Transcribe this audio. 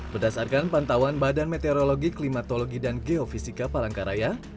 berdasarkan pantauan badan meteorologi klimatologi dan geofisika palangkaraya